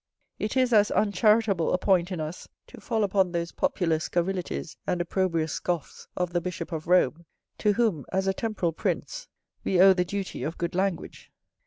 It is as uncharitable a point in us to fall upon those popular scurrilities and opprobrious scoffs of the Bishop of Rome, to whom, as a temporal prince, we owe the duty of good language.